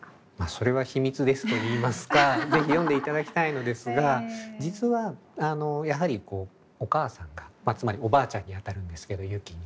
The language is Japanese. それは秘密ですといいますか是非読んでいただきたいのですが実はやはりお母さんがつまりおばあちゃんにあたるんですけど雪の。